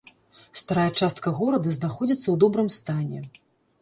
Старая частка горада знаходзіцца ў добрым стане.